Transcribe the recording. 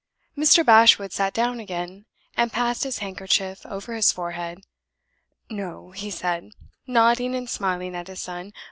Mr. Bashwood sat down again, and passed his handkerchief over his forehead. "No," he said, nodding and smiling at his son.